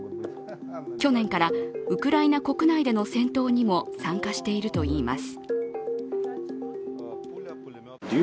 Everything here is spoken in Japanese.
去年からウクライナ国内での戦闘にも参加しているといいます。